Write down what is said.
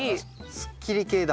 すっきり系だ。